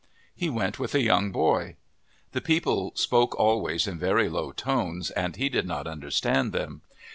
He went with a young boy. The people spoke always in very low tones and he did not understand them.